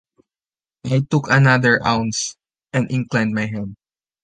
I took another ounce, and inclined my head.